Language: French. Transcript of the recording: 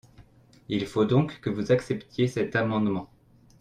Il faut donc que vous acceptiez cet amendement.